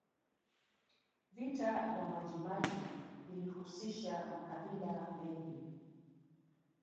vita vya majimaji vilihusisha makabila mengi